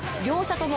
とも